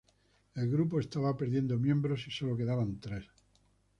El grupo estaba perdiendo miembros y solo quedaban tres.